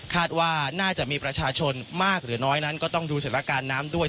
ว่าน่าจะมีประชาชนมากหรือน้อยนั้นก็ต้องดูสถานการณ์น้ำด้วย